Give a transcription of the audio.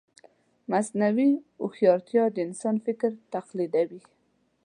مصنوعي هوښیارتیا د انسان فکر تقلیدوي.